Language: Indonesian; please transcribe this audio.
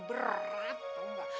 berat tau nggak